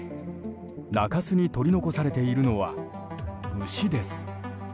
中州に取り残されているのは牛です。